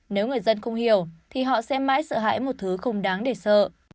nếu người dân không hiểu thì họ sẽ mãi sợ hãi một thứ không đáng để sợ